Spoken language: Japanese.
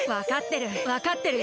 わかってる。